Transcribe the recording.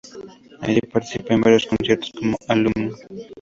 Allí participa en varios conciertos como alumna.